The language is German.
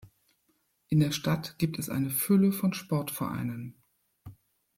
In der Stadt gibt es eine Fülle von Sportvereinen.